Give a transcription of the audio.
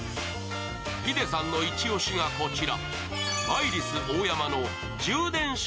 ヒデさんのイチ押しがこちら。